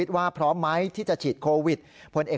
ถ้าหมอให้กีดกีดเลย